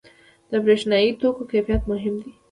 • د برېښنايي توکو کیفیت مهم دی.